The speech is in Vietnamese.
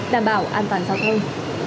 đảm bảo an toàn giao thông